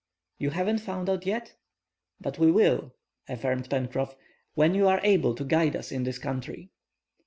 "You haven't found out yet?" "But we will," affirmed Pencroff, "when you are able to guide us in this country."